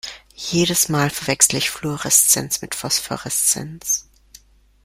Jedes Mal verwechsle ich Fluoreszenz mit Phosphoreszenz.